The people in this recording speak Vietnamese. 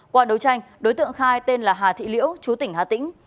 qua đấu tranh đối tượng khai tên là hà thị liễu chú tỉnh hà tĩnh